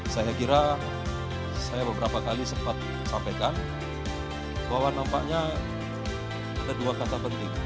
saya kira saya beberapa kali sempat sampaikan bahwa nampaknya ada dua kata penting